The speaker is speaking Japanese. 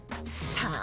さあ。